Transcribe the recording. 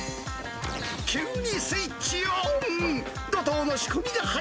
急にスイッチオン。